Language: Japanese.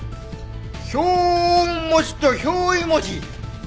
表音文字と表意文字。